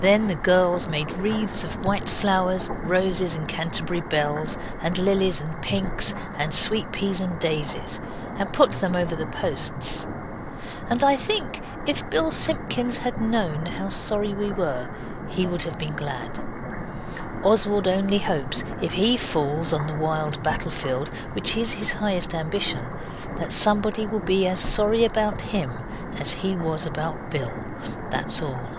Then the girls made wreaths of white flowers, roses and Canterbury bells, and lilies and pinks, and sweet peas and daisies, and put them over the posts. And I think if Bill Simpkins had known how sorry we were, he would have been glad. Oswald only hopes if he falls on the wild battlefield, which is his highest ambition, that somebody will be as sorry about him as he was about Bill, that's all!